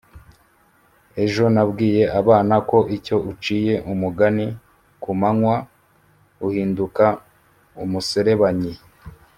Ejo nabwiye abana ko iyo uciye umugani kumanywa uhinduka umuserebanyi